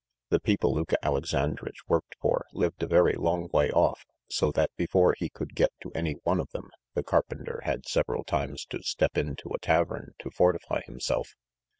The people Luka Alexandritch worked for lived a very long way off, so that, before he could get to any one of them, the carpenter had several times to step into a tavern to fortify himself.